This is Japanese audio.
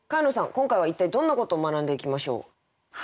今回は一体どんなことを学んでいきましょう？